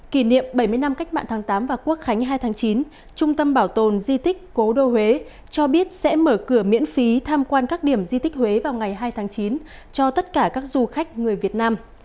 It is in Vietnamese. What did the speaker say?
kỷ niệm bảy mươi năm cách mạng tháng tám và quốc khánh hai tháng chín trung tâm bảo tồn di tích cố đô huế cho biết sẽ mở cửa miễn phí tham quan các điểm di tích huế vào ngày hai tháng chín cho tất cả các du khách người việt nam